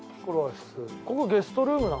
ここゲストルームなんだろうね。